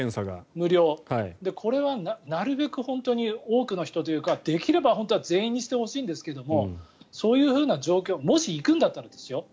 無料、これはなるべく本当に多くの人というかできれば本当は全員にしてほしいんですがそういう状況もし行くんだったらですよ。